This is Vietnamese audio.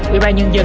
ủy ban nhân dân